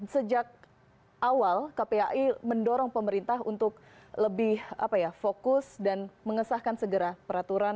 sejak awal kpai mendorong pemerintah untuk lebih fokus dan mengesahkan segera peraturan